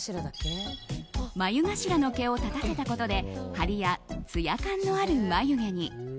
眉頭の毛を立たせたことで張りやツヤ感のある眉毛に。